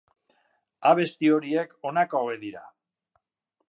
Abesti horiek honako hauek dira.